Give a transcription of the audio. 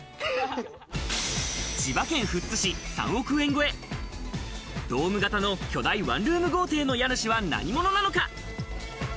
千葉県富津市３億円超え、ドーム型の巨大ワンルーム豪邸の家主は何者なのか？